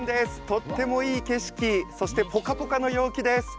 とってもいい景色そしてぽかぽかの陽気です。